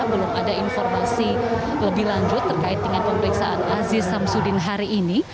belum ada informasi lebih lanjut terkait dengan pemeriksaan aziz samsudin hari ini